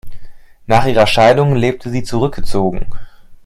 Nach ihrer Scheidung lebte sie zurückgezogen.